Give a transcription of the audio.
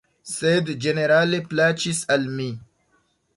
Sed ĝenerale plaĉis al mi.